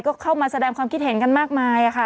ก็เข้ามาแสดงความคิดเห็นกันมากมายค่ะ